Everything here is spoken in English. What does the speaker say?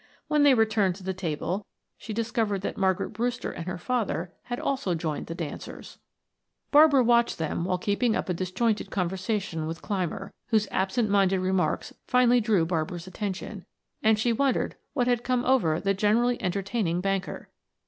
When they returned to the table she discovered that Margaret Brewster and her father had also joined the dancers. Barbara watched them while keeping up a disjointed conversation with Clymer, whose absentminded remarks finally drew Barbara's attention, and she wondered what had come over the generally entertaining banker.